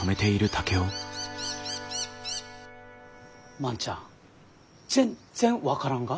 万ちゃん全然分からんが？